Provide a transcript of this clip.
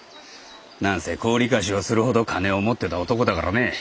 何せ高利貸しをするほど金を持ってた男だからね。